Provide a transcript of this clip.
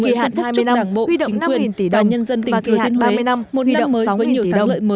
kỳ hạn hai mươi năm huy động năm tỷ đồng và kỳ hạn ba mươi năm huy động sáu tỷ đồng